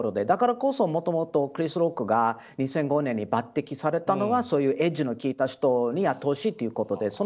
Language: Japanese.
だからこそ、もともとクリス・ロックが２００５年に抜擢されたのはそういうエッジの効いた人にやってほしいということで。